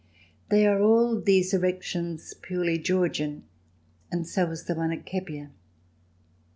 They are all, these erections, purely Georgian, and so was the one at Kepier.